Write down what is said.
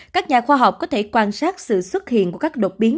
các nhà khoa học có thể quan sát sự xuất hiện của các đột biến